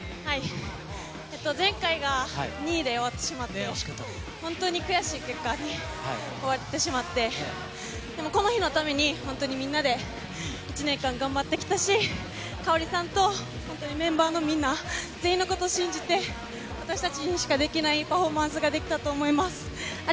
前回は２位で終わってしまって、本当に悔しい結果に終わってしまって、でもこの日のために、本当にみんなで１年間頑張ってきたし、カオリさんと本当にメンバーのみんな、全員のこと信じて、私たちにしかできないパフォーマンスができたと思います。